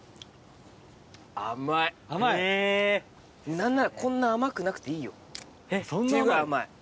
何ならこんな甘くなくていいよっていうぐらい甘い。